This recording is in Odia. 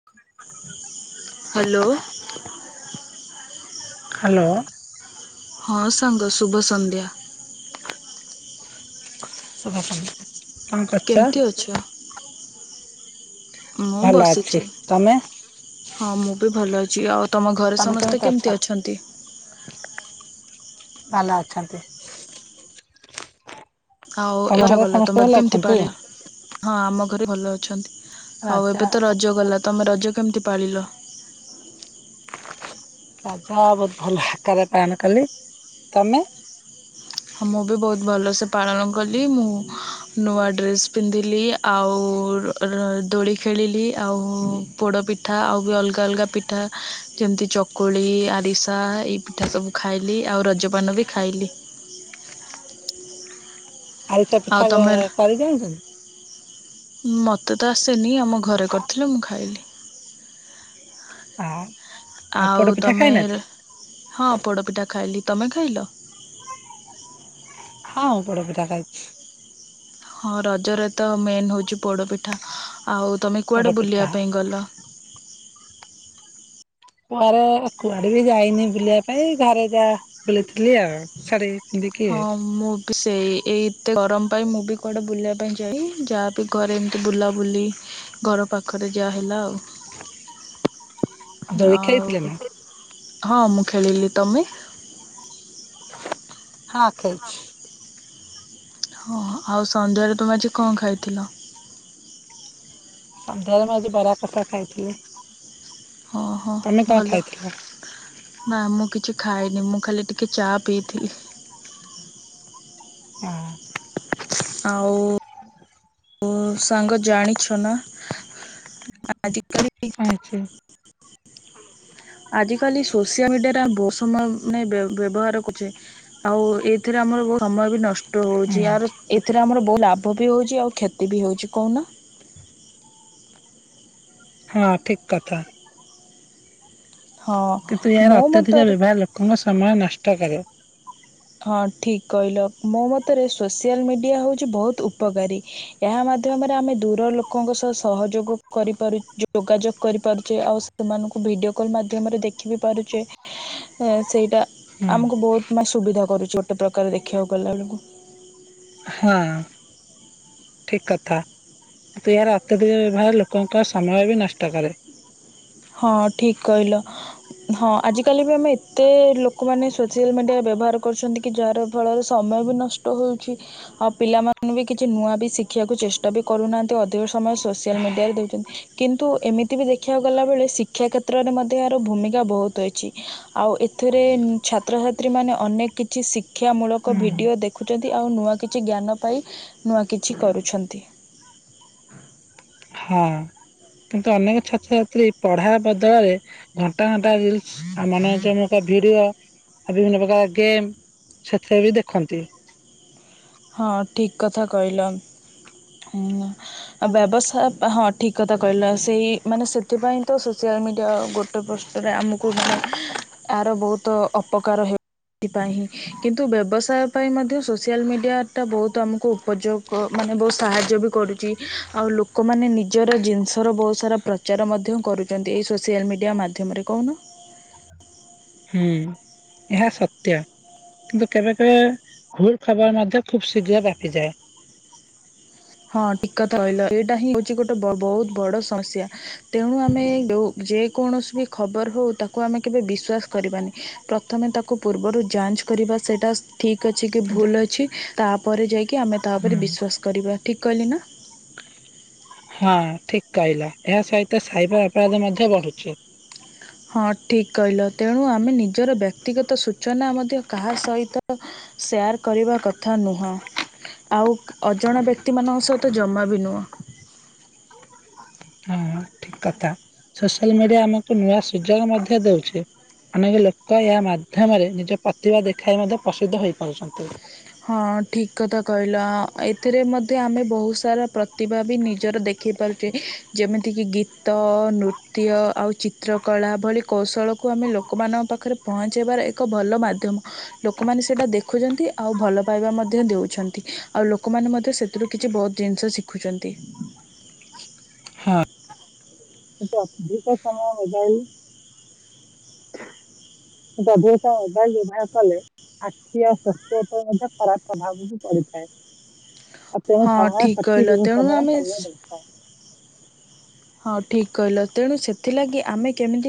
[inaudible] ହ୍ୟାଲୋ। ହ୍ୟାଲୋ। ହଁ ସାଙ୍ଗ ଶୁଭ ସନ୍ଧ୍ୟା। ଶୁଭ ସନ୍ଧ୍ୟା। କଣ କରୁଛ? କେମିତି ଅଛ? ମୁଁ ଭଲ ଅଛି ବସିଛି। ତମେ? ହଁ ମୁଁ ବି ଭଲ ଅଛି ଆଉ ତମ ଘରେ ତମେ ସମସ୍ତେ ଅଛ? କେମିତି ଅଛନ୍ତି? ଭଲ ଅଛନ୍ତି। ହଉ ତମ ରଜ ଘରେ ଗଲା ତ ସମସ୍ତେ ଭଲ ମତ କେମତି ଅଛନ୍ତି? ପଳୀଲ? ହଁ ଆମ ଘରେ ଭଲ ଅଛନ୍ତି ଆଉ ରାଜା ଏବେ ତ ରଜ ଗଲା ତମେ ରଜ କେମିତି ପାଳିଲ? ରଜ ବହୁତ ଭଲ ଆକାରରେ ପାଳନ କଲି ତମେ? ହଁ ମୁଁ ବି ବହୁତ ଭଲସେ ପାଳନ କଲି ମୁଁ ନୂଆ ଡ୍ରେସ୍ ପିନ୍ଧିଲି ଆଉ ର ଦୋଳି ଖେଳିଲି ଆଉ ପୋଡ ପିଠା ଆଉ ବି ଅଲଗା ଅଲଗା ପି ଠା ଯେମିତି ଚକୁଳି ଆରିସା ଏଇ ପିଠା ସବୁ ଖାଇଲି ଆଉ ରଜପାନ ବି ଖାଇଲି। ଆରିଷା ପିଠା କରି ଜାଣିଛନ୍ତି? ମତେ ତ ଆସେନି ଆମ ଘରେ କରିଥିଲେ ମୁଁ ଖାଇଲି। ଆଉ ପୋଡ ଆଉ ପିଠା ତମେ ଖାଇନାହାନ୍ତି? ରେ ହଁ ପୋଡପିଠା ଖାଇଲି ତମେ ଖାଇଲ? ହଁଁ ଉଁ ପୋଡପିଠା ଖାଇଚି। ହଁ ରଜରେ ତ ମେନ୍ ହେଉଛି ପୋଡ଼ପିଠା ଆଉ ତମେ ପୋଡ କୁଆଡ଼େ ବୁଲିବା ପିଠା ପାଇଁ ଗଲ? ପୁଆରେ କୁଆଡେ ବି ଯାଇନି ବୁଲିବା ପାଇଁ ଘରେ ଯା ବୁଲିଥିଲି ଆଉ ଶଡେଇ ହଁ ମୁଁ ବି ସେଇ ଏଇଏତେ ଗରମ ପାଇଁ ମୁଁ ବି କୁଆଡେ ବୁଲିବା ପାଇଁ ଯାଇ ଯାହାବି ଘରେ ଏମିତି ବୁଲାବୁଲି ଘର ପାଖରେ ଯାହାହେଲା ଆଉ। ଦୋଳି ଆଉ ଖେଳିଥିଲେ ନା? ଟିକେ ହଁ ମୁଁ ଖେଳିଲି ତମେ? [inaudible] [inaudible] ଆଉ ସନ୍ଧ୍ୟାରେ ତୁମେ ଆଜି କଂ ଖାଇଥିଲ? ସନ୍ଧ୍ୟାଳେ ମୁଁ ଆଜି ବରା କସା ଖାଇଥିଲି। ହଁ ହଁ ତମେ କଣ ଭଲ। ଖାଇଥିଲ? ନା ମୁଁ କିଛି ଖାଇନି ମୁଁ ଖାଲି ଟିକେ ଚା ପିଇଥିଲି। ହଁ। ଆଉ ଓ ସାଙ୍ଗ ଜାଣିଛ ନା ଆଜିକାଲି ବି [inaudible] ଅଛି ଆଜିକାଲି ସୋସିଆ ମିଡ଼ିଆରେ ବହୁତ ସମୟ ମାନେ ବେ ବ୍ୟବହାର କରୁଚେ। ଆଉ ଏଇଥିରେ ଆମର ବହୁତ ସମୟ ବି ନଷ୍ଟ ହୁଁ ହେଉଛି ଏଆର ଏଥିରେ ଆମର ବହୁ ଲାଭ ବି ହୋଉଚି ଆଉ କ୍ଷତି ବି ହୋଉଚି କହୁନ। ହଁ ଠିକ କଥା। ହଁ କିନ୍ତୁ ଏହାର ମୋ ଅତ୍ୟଧିକ ମତରେ ବ୍ୟବହାର ଲୋକଙ୍କ ସମୟ ନଷ୍ଟ କରେବ। ହଁ ଠିକ କହିଲ ମୋ ମତରେ ସୋସିଆଲ ମିଡ଼ିଆ ହୋଉଚି ବହୁତ ଉପକାରୀ। ଏହା ମାଧ୍ୟମରେ ଆମେ ଦୂର ଲୋକଙ୍କ ସହ ସହଯୋଗ କରିପାରୁଚୁ ଯୋଗାଯୋଗ କରିପାରୁଚେ ଆଉ ତ ମାନଙ୍କୁ ଭିଡ଼ିଓ କଲ୍ ମାଧ୍ୟମରେ ଦେଖି ବିି ପାରୁଚେ ଏ ସେଇଟା ଆମକୁ ବହୁତ ମା ସୁବିଧା କରୁଛି ଗୋଟେ ପ୍ରକାର ଦେଖିବାକୁ ଗଲା ବେଳକୁ। ହଁ। ଠିକ କଥା କିନ୍ତୁ ଏହାର ଅତ୍ୟଧିକ ବ୍ୟବହାର ଲୋକଙ୍କ ସମୟ ବି ନଷ୍ଟ କରେ। ହଁ ଠିକ କହିଲ। ହଁ ଆଜିକାଲି ବି ଆମେ ଏତେ ଲୋକମାନେ ସୋସିଆଲ ମିଡିଆ ବ୍ୟବହାର କରୁଛନ୍ତି କି ଯାହାର ଫଳରେ ସମୟ ବି ନଷ୍ଟ ହୋଉଚି। ଆଉ ପିଲାମାନେ ବି କିଛି ନୂଆ ବି ଶିଖିବାକୁ ଚେଷ୍ଟା ବି କରୁନାହାନ୍ତି ଅଧିକ ସ ସମୟ ସୋସିଆଲ ମିଡିଆରେ ଦେଉଛନ୍ତି କିନ୍ତୁ ଏମିତି ବି ଦେଖିବାକୁ ଗଲାବେଳେ ଶିକ୍ଷା କ୍ଷେତ୍ରରେ ମଧ୍ୟ ଏହାର ଭୂମିକା ବହୁତ ଅଛି ଆଉ ଏଥିରେ ଛାତ୍ରଛାତ୍ରୀ ମାନେ ଅନେ କି ଛି ଶିକ୍ଷା ମୂଳକ ଭିଡିଓ ଦେଖୁଛନ୍ତି ଆଉ ନୂଆ କିଛି ଜ୍ଞାନ ପାଇ ନୂଆ କିଛି କରୁଛନ୍ତି। ହଁ କିନ୍ତୁ ଅନେକ ଛାତ୍ରଛାତ୍ରୀ ପଢା ବଦଳରେ ଘଣ୍ଟା ଘଣ୍ଟା ରିଲସ୍ ଆ ମାନେ ନିଜେ ଗୋଟେ ଭିଡ଼ିଓ ଆଉ ବିଭିନ୍ନ ପ୍ରକାର ଗେମ୍ ସେଥିରେ ବି ଦେଖନ୍ତି। ହଁ ଠିକ କଥା କହିଲ ହଁ। ଆ ବ୍ୟବସାୟ ହଁ ଠିକ କଥା କହିଲା ସେଇ ମାନେ ସେଥିପାଇଁ ତ ସୋସିଆଲ ମିଡିଆ ଗୋ ଅଟପଷ୍ଟରେ ଆମକୁ ବି ଆର ବୋହୁତ ଅପକାର ହେଉ ଥିପାହିଁ କିନ୍ତୁ ବ୍ୟବସାୟ ପାଇଁ ମଧ୍ୟ ସୋସିଆଲ ମିଡିଆ ଟା ବୋହୁତ ଆମକୁ ଉପଯୋଗ କ ମାନେ ବୋହୁତ ସାହାଯ୍ୟ ବି କରୁଛି ଆଉ ଲୋକମାନେ ନି ନିଜର ଜିନିଷର ବହୁତ ସାରା ପ୍ରଚାର ମଧ୍ୟ କରୁଛନ୍ତି ଏହି ସୋସିଆଲ ମିଡ଼ିଆ ମାଧ୍ୟମରେ କହୁନ। ହୁଁ ଏହା ସତ୍ୟ। କିନ୍ତୁ କେବେ କେବେ ଭୁଲ ଖବର ମଧ୍ୟ ଖୁବ ଶୀଘ୍ର ବ୍ୟାପିଯାଏ। ହଁ ଟିକ କଥା କହିଲ ଏଇଟା ହିଁ ହଉଛି ଗୋଟେ ବ ବହୁତ ବଡ଼ ସମସ୍ୟା ତେଣୁ ଆମେ ଯୋଉ ଯେକୌଣସି ବି ଖବର ହୋଉ ତାକୁ ଆମେ କେବେ ବିଶ୍ୱାସ କରିବାନି ପ୍ରଥମେ ତାକୁ ପୂର୍ବରୁ ଯାଞ୍ଚ କରିବା ସେଇଟା ଠିକ୍ ଅଛି କି ଭୁଲ ଅଛି ତାପରେ ଯାଇକି ଆମେ ତା ଉପରେ ହୁଁ ବିଶ୍ଵାସ କରିବା ଠିକ୍ କହିଲି ନା? ହଁ ଠିକ କହିଲ ଏହା ସହିତ ସାଇବର ଅପରାଧ ମଧ୍ୟ ବଢ଼ୁଛି। ହଁ ଠିକ କହିଲ ତେଣୁ ଆମେ ନିଜର ବ୍ୟକ୍ତିଗତ ସୂଚନା ମଧ୍ୟ କାହା ସହିତ ସେୟାର୍ କରିବା କଥା ନୁହଁ। ଆଉ ଅଜଣା ବ୍ୟକ୍ତିମାନଙ୍କ ସହିତ ଜମା ବି ନୁହଁ। ହୁଁ ଠିକ କଥା ସୋସିଆଲ ମିଡ଼ିଆ ଆମକୁ ନୂଆ ସୁଯୋଗ ମଧ୍ୟ ଦଉଛି। ଅନେକ ଲୋକ ଏହା ମାଧ୍ୟମରେ ନିଜ ପ୍ରତିଭା ଦେଖାଇ ମଧ୍ୟ ପ୍ରସିଦ୍ଧ ହେଇପାରୁଛନ୍ତି। ହଁ ଠିକ୍ କଥା କହିଲ ଏଥିରେ ମଧ୍ୟ ଆମେ ବହୁତ ସାରା ପ୍ରତିଭା ବି ନିଜର ଦେଖି ପାରୁତେ ଯେମିତିକି ଗୀତ ନୃତ୍ୟ ଆଉ ଚିତ୍ରକଳା ଭଳି କୌଶଳକୁ ଆମେ ଲୋକମାନଙ୍କ ପାଖରେ ପହଞ୍ଚାଇବାର ଏକ ଭଲ ମାଧ୍ୟମ ଲୋକମାନେ ସେଇଟା ଦେଖୁଚନ୍ତି। ଆଉ ଭଲ ପାଇବା ମଧ୍ୟ ଦେଉଛନ୍ତି ଆଉ ଲୋକମାନେ ମଧ୍ୟ ସେଥିରୁ କିଛି ବହୁତ ଜିନିଷ ଶିଖୁଛନ୍ତି। ହଁ। ଟିକେ ଅଧିକ ସମୟ ହେଲାଣି। ଦଧିତା ଅଧା ଦି ଭାଗ କଲେ ଆଖି ଆଉ ସ୍ୱାସ୍ଥ୍ୟ ମଧ୍ୟ ଖରାପ ପ୍ରଭାବ ବି ପଡ଼ିଥାଏ। ହଁ ଠିକ୍ କହିଲ ତେଣୁ ଆମେ [unintelligible] ହଁ ଠିକ୍ କହିଲ ତେଣୁ ସେଥିଲାଗି ଆମେ କେମିତି